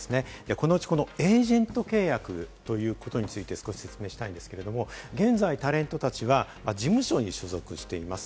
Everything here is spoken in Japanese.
このうち、このエージェント契約ということについて、説明したいんですけれども、現在タレントたちは事務所に所属しています。